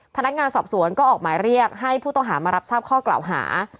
พนักงานสอบสวนก็ออกหมายเรียกให้ผู้ต้องหามารับทราบข้อกล่าวหา